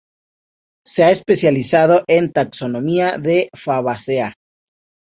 Se ha especializado en Taxonomía de Fabaceae.